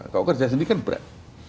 kalau kerja sendiri kan berat